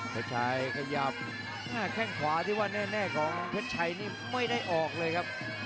เพชรชัยขยับแข้งขวาที่ว่าแน่ของเพชรชัยนี่ไม่ได้ออกเลยครับ